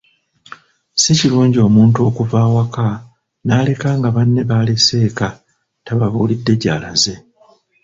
Si kirungi omuntu okuva awaka n’aleka nga banne balese eka tababuulidde gy’alaze.